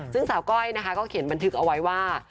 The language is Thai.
ซึ่งสาวก้อยนะคะก็เขียนบันทึกเอาไว้ว่า